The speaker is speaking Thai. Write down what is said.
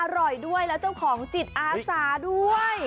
อร่อยด้วยแล้วเจ้าของจิตอาสาด้วย